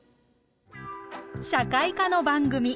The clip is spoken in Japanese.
社会科の番組。